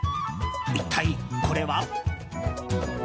一体これは？